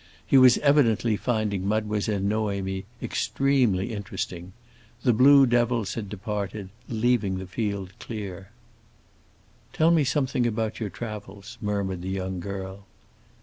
He was evidently finding Mademoiselle Noémie extremely interesting; the blue devils had departed, leaving the field clear. "Tell me something about your travels," murmured the young girl.